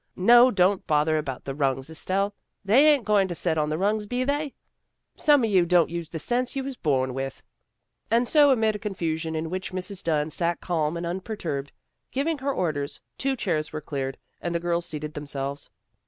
No, don't bother about the rungs, Estelle. They ain't going to set on the rungs, be they? Some o' you don't use the sense you was born with." And so amid a confusion in which Mrs. Dunn sat calm and unperturbed, giving her orders, two chairs were cleared and the girls seated themselves.